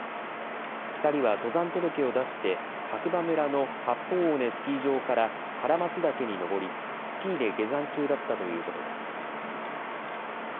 ２人は登山届を出して白馬村の八方尾根スキー場から唐松岳に登り、スキーで下山中だったということです。